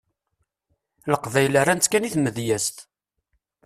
Leqbayel rran-ttkan i tmedyezt.